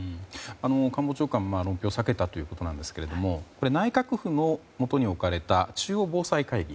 官房長官も論評を避けたということですが内閣府のもとに置かれた中央防災会議。